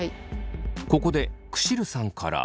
ここでクシルさんから。